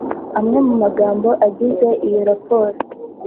amwe mu magambo agize iyo raporo